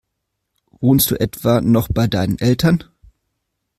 Wohnst du etwa noch bei deinen Eltern?